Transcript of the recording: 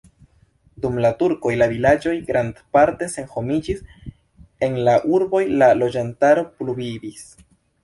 Dum la turkoj la vilaĝoj grandparte senhomiĝis, en la urboj la loĝantaro pluvivis.